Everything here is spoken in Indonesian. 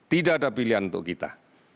tidak ada pilihan untuk kita